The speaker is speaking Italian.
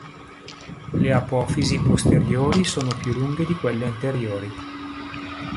Le apofisi posteriori sono più lunghe di quelle anteriori.